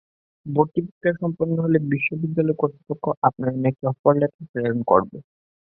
ভর্তি প্রক্রিয়া সম্পন্ন হলে বিশ্ববিদ্যালয় কর্তৃপক্ষ আপনার নামে একটি অফার লেটার প্রেরণ করবে।